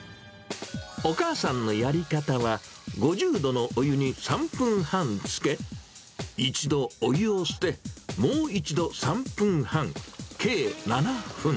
お母さんのやり方は、５０度のお湯に３分半漬け、一度お湯を捨て、もう一度３分半、計７分。